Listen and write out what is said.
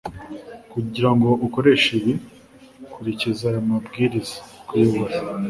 Kugira ngo ukoreshe ibi kurikiza aya mabwiriza (_kuyobora)